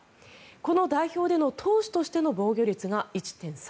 この代表での投手としての防御率が１．３５。